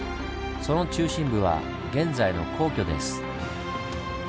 その中心部は現在の皇居です。